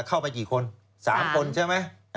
ให้เข้าไปกี่คนสามคนใช่ไหม